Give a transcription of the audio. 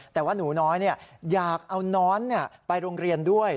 แต่ว่าหนูน้อยอยากเอาน้อนไปโรงเรียนด้วย